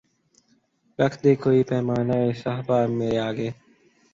رکھ دے کوئی پیمانۂ صہبا مرے آگے